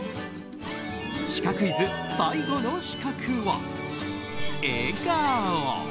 シカクイズ、最後の資格は笑顔。